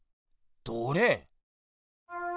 どれ？